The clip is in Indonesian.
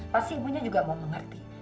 pasti ibunya juga mau mengerti